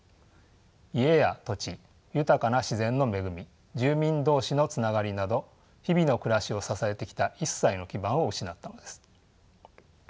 家や土地豊かな自然の恵み住民同士のつながりなど日々の暮らしを支えてきた一切の基盤を失ったのです。